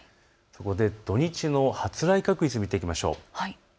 土日の発雷確率、見ていきましょう。